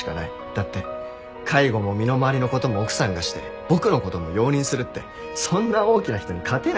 だって介護も身の回りの事も奥さんがして僕の事も容認するってそんな大きな人に勝てないですよ